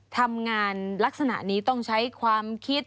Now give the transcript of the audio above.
ทำงานลักษณะนี้ต้องใช้ความคิด